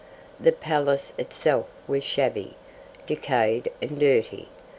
The palace itself was shabby, decayed and dirty.